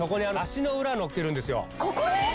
ここに！？